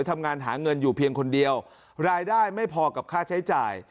ทำงานหาเงินอยู่เพียงคนเดียวรายได้ไม่พอกับค่าใช้จ่าย